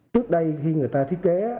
trước đây khi người ta thiết kế